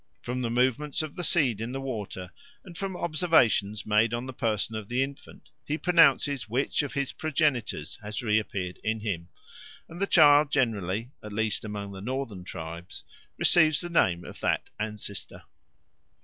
From the movements of the seed in the water, and from observations made on the person of the infant, he pronounces which of his progenitors has reappeared in him, and the child generally, at least among the northern tribes, receives the name of that ancestor.